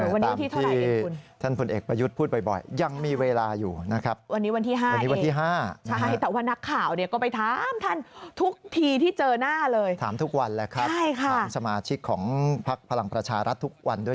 วันนี้ที่เท่าไหร่เป็นคุณตามที่ท่านฝนเอกประยุทธ์พูดบ่อย